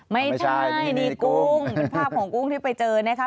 ไม่ใช่นี่กุ้งเป็นภาพของกุ้งที่ไปเจอนะคะ